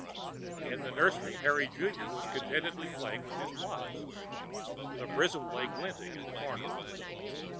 In the nursery, Harry Junior was contentedly playing with his blocks. The prism lay glinting in the corner.